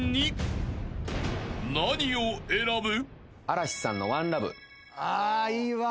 ［何を選ぶ？］